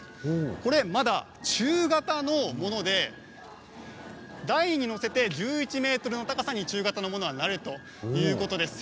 これはまだ中型のもので台に載せて１１ｍの高さに中型のものはなるということです。